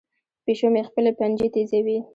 پیشو مې خپلې پنجې تیزوي.